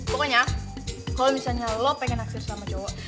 pokoknya kalo misalnya lo pengen naksir sama cowo